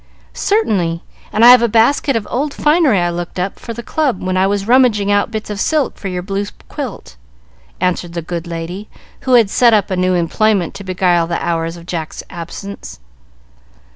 "Certainly; and I have a basket of old finery I looked up for the club when I was rummaging out bits of silk for your blue quilt," answered the good lady, who had set up a new employment to beguile the hours of Jack's absence.